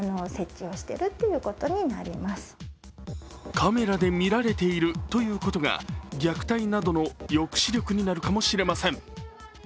カメラで見られているということが虐待などの抑止力になるかもしれません。